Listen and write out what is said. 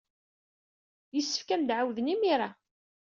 Yessefk ad am-d-ɛawden imir-a.